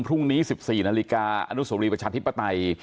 พรุ่งนี้๑๔นาฬิกาอนุสวรีประชาธิปไตย